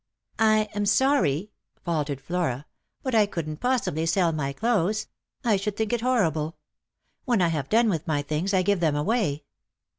" I am sorry," faltered Flora, " but I couldn't possibly sell my clothes. I should think it horrible. When I have done with my things I give them away."